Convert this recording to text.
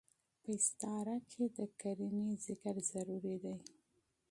په استعاره کښي د قرينې ذکر ضروري دئ.